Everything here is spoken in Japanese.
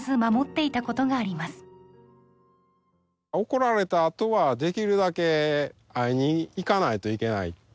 怒られたあとはできるだけ会いに行かないといけない。